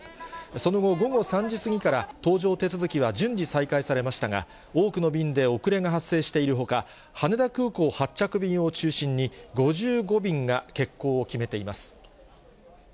その後、午後３時過ぎから搭乗手続きは順次再開されましたが、多くの便で遅れが発生しているほか、羽田空港発着便を中心に、５５便が欠航を決めています。